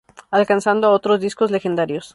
Alcanzando a otros discos legendarios.